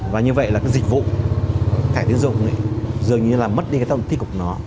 và như vậy là cái dịch vụ thẻ tín dụng dường như là mất đi cái tổng thí cục nó